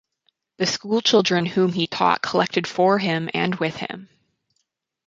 The school children whom he taught collected for him and with him.